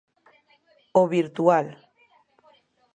O virtual.